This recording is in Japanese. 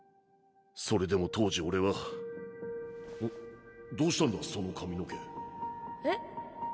それでも当時俺はどうしたんだその髪の毛え？